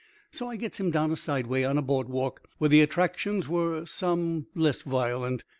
So I gets him down a side way on a board walk where the attractions were some less violent.